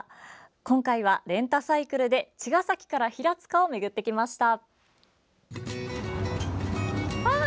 今回はレンタサイクルで茅ヶ崎から平塚を巡ってきました。